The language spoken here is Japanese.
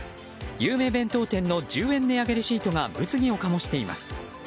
有名弁当店の１０円値上げレシートが物議を醸しています。